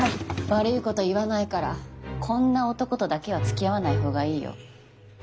悪いこと言わないからこんな男とだけはつきあわない方がいいよ。